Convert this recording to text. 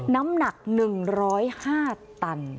น้ำหนัก๑๐๕ตัน